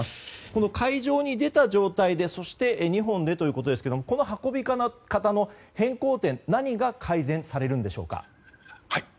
この海上に出た状態で２本でということですけどこの運び方の変更点何が改善されるんでしょうか？